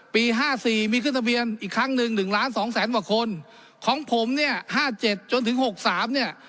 ห้าสี่มีขึ้นทะเบียนอีกครั้งหนึ่ง๑ล้านสองแสนกว่าคนของผมเนี่ยห้าเจ็ดจนถึงหกสามเนี่ย